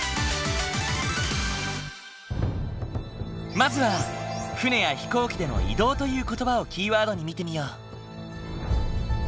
まずは船や飛行機での移動という言葉をキーワードに見てみよう。